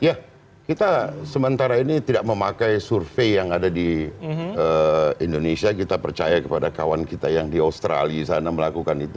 ya kita sementara ini tidak memakai survei yang ada di indonesia kita percaya kepada kawan kita yang di australia sana melakukan itu